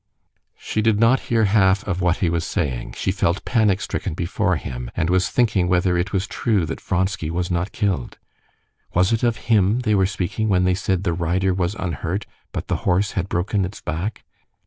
She did not hear half of what he was saying; she felt panic stricken before him, and was thinking whether it was true that Vronsky was not killed. Was it of him they were speaking when they said the rider was unhurt, but the horse had broken its back?